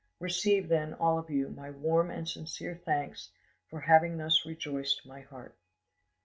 Receive, then, all of you, my warm and sincere thanks for having thus rejoiced my heart.